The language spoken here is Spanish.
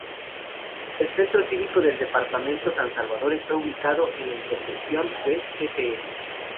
El Centro Cívico del Departamento San Salvador está ubicado en la intersección de Tte.